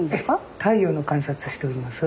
ええ太陽の観察しております。